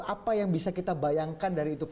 apa yang bisa kita bayangkan dari itu pak